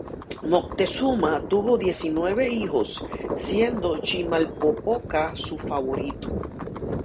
Moctezuma tuvo diecinueve hijos, siendo Chimalpopoca su favorito.